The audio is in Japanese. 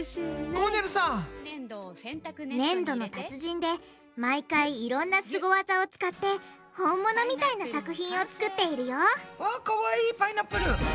ねんどの達人で毎回いろんなスゴ技を使って本物みたいな作品を作っているよわっかわいいパイナップル！